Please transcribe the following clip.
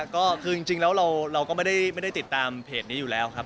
ก็คือจริงแล้วเราก็ไม่ได้ติดตามเพจนี้อยู่แล้วครับ